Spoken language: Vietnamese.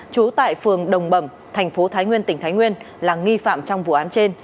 trú tại phường đồng bẩm thành phố thái nguyên tỉnh thái nguyên là nghi phạm trong vụ án trên